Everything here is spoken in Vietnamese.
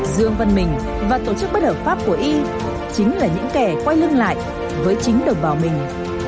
dương văn mình và tổ chức bất hợp pháp của y chính là những kẻ quay lưng lại với chính đồng bào mình